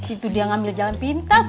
itu dia ngambil jalan pintas